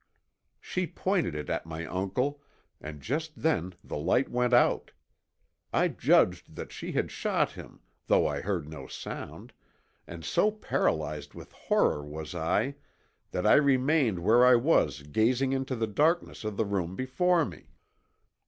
She pointed it at my uncle, and just then the light went out. I judged that she had shot him, though I heard no sound, and so paralyzed with horror was I that I remained where I was gazing into the darkness of the room before me.